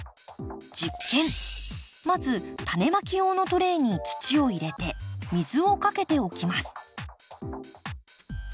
まず種まき用のトレーに土を入れて水をかけておきます。